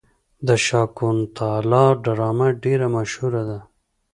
د شاکونتالا ډرامه ډیره مشهوره ده.